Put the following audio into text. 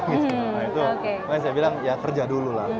nah itu makanya saya bilang ya kerja dulu lah